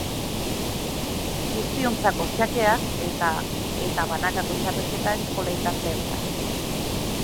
Guztiontzako xakea eta eta banakako txapelketa eskola-ikasleentzat.